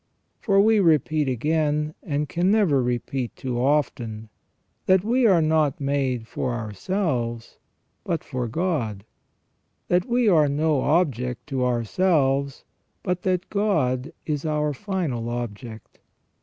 For we repeat again, and can never repeat too often, that we are not made for ourselves but for God ; that we are no object to ourselves, but that God is our final object.